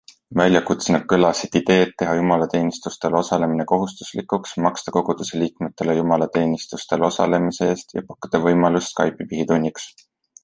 Väljakutsena kõlasid ideed teha jumalateenistustel osalemine kohustuslikuks, maksta koguduseliikmetele jumalateenistustel osalemise eest ja pakkuda võimalust Skype'i pihitunniks.